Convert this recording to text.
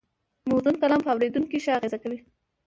موزون کلام پر اورېدونکي ښه اغېز کوي